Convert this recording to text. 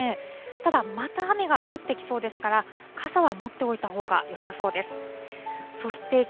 ただ、また雨が降ってきそうですから、傘は持っておいたほうがよさそうです。